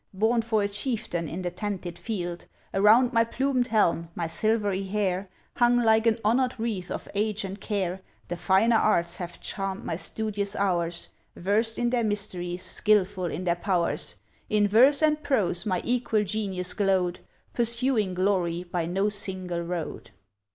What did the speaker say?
Born for a chieftain in the tented field! Around my plumed helm, my silvery hair Hung like an honour'd wreath of age and care! The finer arts have charm'd my studious hours, Versed in their mysteries, skilful in their powers; In verse and prose my equal genius glow'd, Pursuing glory by no single road!